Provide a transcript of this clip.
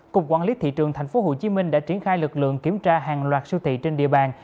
cục quản lý thị trường tp hcm đã triển khai lực lượng kiểm tra hàng loạt siêu thị trên địa bàn